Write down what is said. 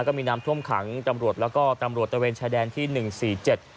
ก็มีน้ำท่วมขังตำรวจแล้วก็ตำรวจตะเวนชายแดนที่หนึ่งสี่เจ็ด